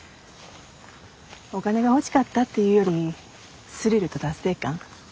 お金が欲しかったっていうよりスリルと達成感？